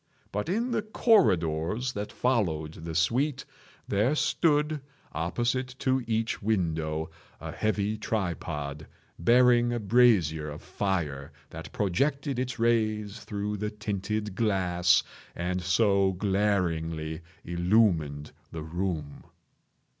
But in the corridors that followed the suite, there stood, opposite to each window, a heavy tripod, bearing a brazier of fire that projected its rays through the tinted glass and so glaringly illumined the room.